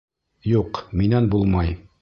Юҡ, минән булмай.